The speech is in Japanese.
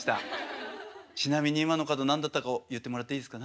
ちなみに今のカード何だったか言ってもらっていいですか？